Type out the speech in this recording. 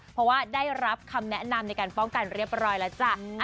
เพราะว่าได้รับคำแนะนำในการป้องกันเรียบร้อยแล้วจ้ะ